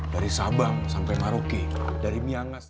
dari sabang sampe maruki dari miangas